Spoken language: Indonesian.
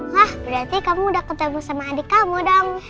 wah berarti kamu udah ketemu sama adik kamu dam